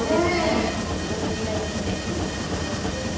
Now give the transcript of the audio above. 彩りがいいので。